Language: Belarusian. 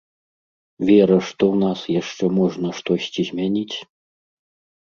Вера, што ў нас яшчэ можна штосьці змяніць?